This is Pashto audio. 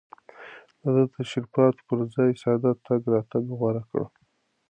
ده د تشريفاتو پر ځای ساده تګ راتګ غوره کړ.